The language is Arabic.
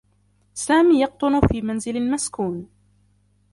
سامي يقطن في منزل مسكون.